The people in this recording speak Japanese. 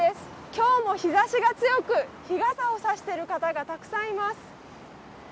今日も日ざしが強く、日傘を差している方がたくさんいます。